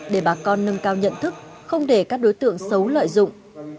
để bà con nâng cao nhận thức không để các đối tượng xấu lợi dụng